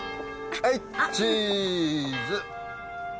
はいチーズ。